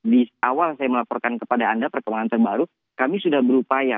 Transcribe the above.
di awal saya melaporkan kepada anda perkembangan terbaru kami sudah berupaya